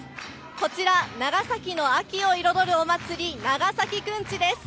こちら、長崎の秋を彩るお祭り、長崎くんちです。